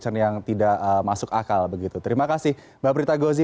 terima kasih banyak mbak berita gozi